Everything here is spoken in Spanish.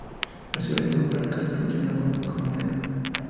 Al ser videojuego arcade, funcionaba con monedas.